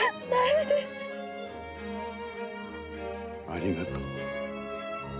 ありがとう。